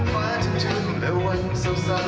ฝาที่ชุดและวันเศร้า